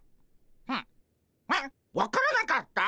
分からなかった？